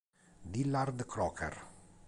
Dillard Crocker